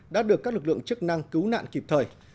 đã được các lực lượng chức năng cứu nạn kịp thời